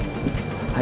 はい。